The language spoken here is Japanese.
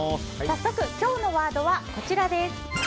早速、今日のワードはこちらです。